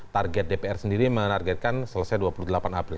target dpr sendiri menargetkan selesai dua puluh delapan april